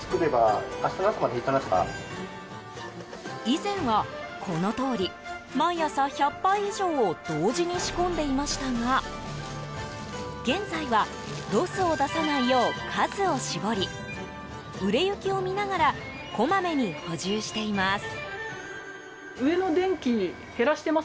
以前は、このとおり毎朝１００杯以上を同時に仕込んでいましたが現在はロスを出さないよう数を絞り売れ行きを見ながらこまめに補充しています。